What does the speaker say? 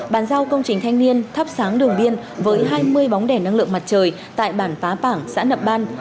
bàn giao công trình thanh niên thắp sáng đường biên với hai mươi bóng đèn năng lượng mặt trời tại bàn phá bảng xã nậm ban